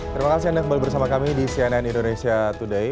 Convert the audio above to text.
terima kasih anda kembali bersama kami di cnn indonesia today